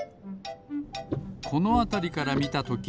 このあたりからみたとき